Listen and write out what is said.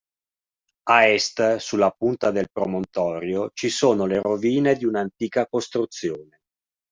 A est, sulla punta del promontorio, ci sono le rovine di un'antica costruzione.